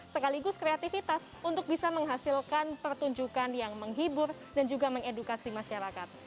sekaligus kreativitas untuk bisa menghasilkan pertunjukan yang menghibur dan juga mengedukasi masyarakat